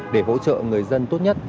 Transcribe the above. để hỗ trợ người dân tốt nhất